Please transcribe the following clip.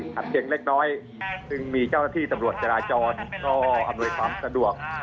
ถึงถัดเช็คเล็กน้อยซึ่งมีเจ้าระที่สำรวจจราจรก็อำนวยความสะดวก